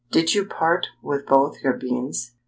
Did you part with both your beans?"